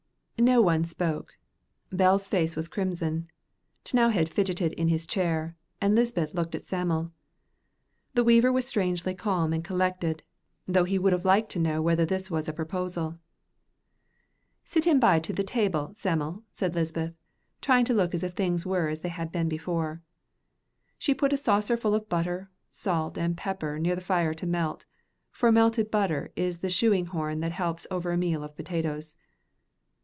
No one spoke. Bell's face was crimson. T'nowhead fidgeted on his chair, and Lisbeth looked at Sam'l. The weaver was strangely calm and collected, though he would have liked to know whether this was a proposal. "Sit in by to the table, Sam'l," said Lisbeth, trying to look as if things were as they had been before. She put a saucerful of butter, salt, and pepper near the fire to melt, for melted butter is the shoeing horn that helps over a meal of potatoes.